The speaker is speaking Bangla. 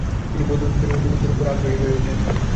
তিনি বৌদ্ধতত্ত্বের অধিবিদ্যার উপর আগ্রহী হয়ে ওঠেন।